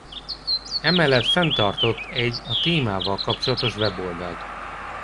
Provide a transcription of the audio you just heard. E mellett fenntartott egy a témával kapcsolatos weboldalt.